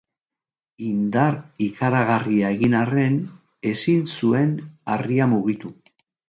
Indar ikaragarria egin arren ezin zuen harria mugitu.